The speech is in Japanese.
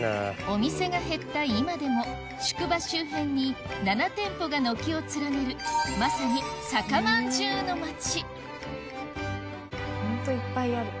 お店が減った今でも宿場周辺に７店舗が軒を連ねるまさにホントいっぱいある。